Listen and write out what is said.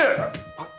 あっ！